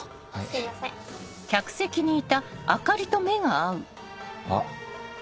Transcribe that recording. すいません。あっ。